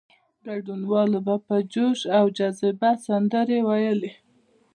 ګډونوالو به په جوش او جذبه سندرې ویلې.